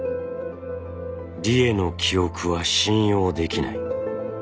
理栄の記憶は信用できない。